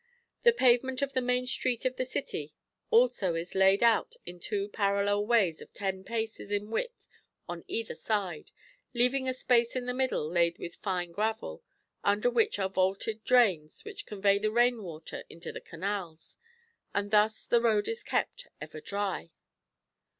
The pavement of the main street of the city also is laid out in two parallel ways of ten paces in width on either side, leaving a space in the middle laid wdth fine gravel, under which are vaulted drains which convey the rain water into the canals ; and thus the road is kept ever dry.